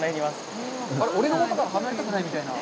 俺の元から離れたくないみたいな。